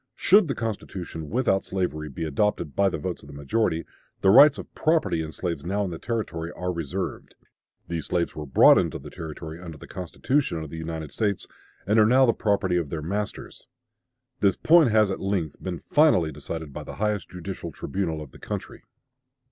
"Should the constitution without slavery be adopted by the votes of the majority, the rights of property in slaves now in the Territory are reserved.... These slaves were brought into the Territory under the Constitution of the United States and are now the property of their masters. This point has at length been finally decided by the highest judicial tribunal of the country."